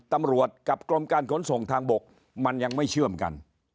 ตำรวจกับกรมการขนส่งทางบกมันยังไม่เชื่อมกัน